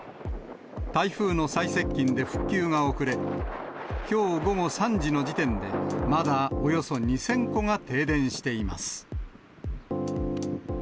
台風の再接近で復旧が遅れ、きょう午後３時の時点で、まだおよそ２０００戸が停電しています。